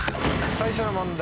最初の問題